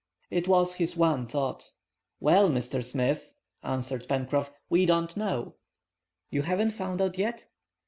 It was his one thought. "Well, Mr. Smith," answered Pencroff, "we don't know." "You haven't found out yet?"